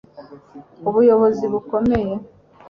ubuyobozi bukomeye